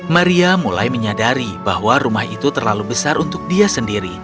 maria mulai menyadari bahwa rumah itu terlalu besar untuk dia sendiri